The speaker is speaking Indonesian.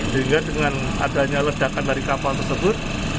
sehingga dengan adanya ledakan dari kapal tersebut